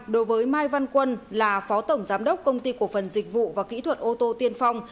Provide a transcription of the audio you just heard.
đối với mai văn quân là phó tổng giám đốc công ty cổ phần dịch vụ và kỹ thuật ô tô tiên phong